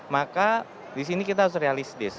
maka di sini kita harus realistis